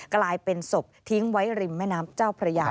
กลายเป็นศพทิ้งไว้ริมแม่น้ำเจ้าพระยา